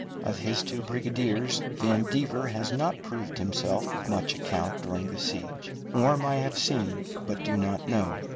Of his two brigadiers, Vandever has not proved himself of much account during the siege; Orme I have seen, but do not know.